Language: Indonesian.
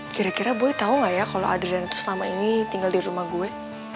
kira kira boy tau gak ya kalo adriana tuh selama ini tinggal di rumah gue